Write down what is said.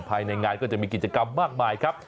ภายในงานก็จะมีกิจกรรมมากมายครับ